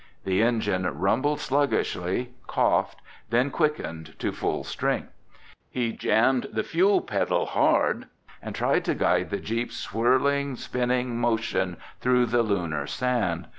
The engine rumbled sluggishly, coughed, then quickened to full strength. He jammed the fuel pedal hard and tried to guide the jeep's swirling, spinning motion through the Lunar sand.